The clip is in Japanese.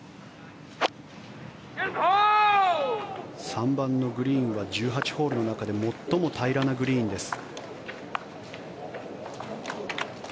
３番のグリーンは１８ホールの中で最も平らなグリーンです。